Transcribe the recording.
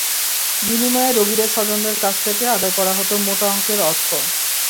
বিনিময়ে রোগীদের স্বজনদের কাছ থেকে আদায় করা হতো মোটা অঙ্কের অর্থ।